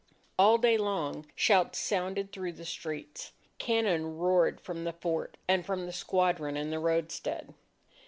All day long shouts sounded through the streets. Cannon roared from the fort and from the squadron in the roadstead.